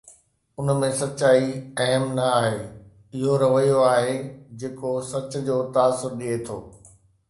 ان ۾ سچائي اهم نه آهي، اهو رويو آهي جيڪو سچ جو تاثر ڏئي ٿو.